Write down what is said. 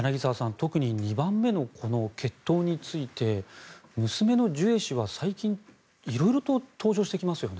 特に２番目の血統について娘のジュエ氏は最近色々と登場してきますよね。